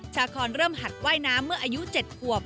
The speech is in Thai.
ชาคอนเริ่มหัดว่ายน้ำเมื่ออายุ๗ขวบ